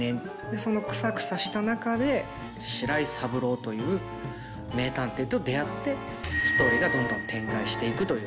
そのクサクサした中で白井三郎という名探偵と出会ってストーリーがどんどん展開していくという。